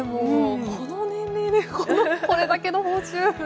この年齢でこれだけの報酬。